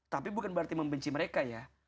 tapi bukan berarti membenci mereka ya